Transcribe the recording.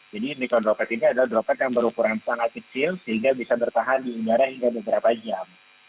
jadi mikro droplet ini adalah droplet yang berukuran sangat kecil sehingga bisa bertahan di udara hingga beberapa jam